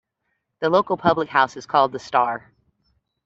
The local public house is called The Star.